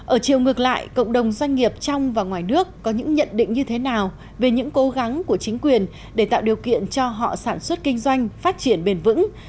ở chiều ngược lại cộng đồng doanh nghiệp trong và ngoài nước có những nhận định như thế nào về những cố gắng của chính quyền để tạo điều kiện cho họ sản xuất kinh doanh phát triển bền vững